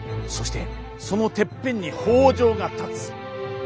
そしてそのてっぺんに北条が立つ。